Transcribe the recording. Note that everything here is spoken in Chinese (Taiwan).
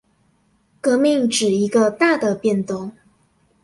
革命指一個大的變動